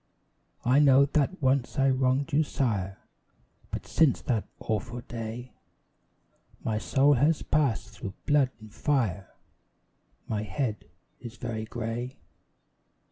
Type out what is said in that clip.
I know that once I wronged your sire, But since that awful day My soul has passed through blood and fire, My head is very grey.